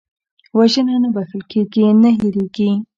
وژنه نه بښل کېږي، نه هېرېږي